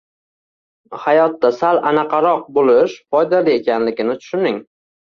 Hayotda sal anaqaroq bo’lish foydali ekanligini tushuning